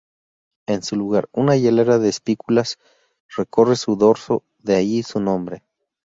En su lugar, una hilera de espículas recorre su dorso, de allí su nombre.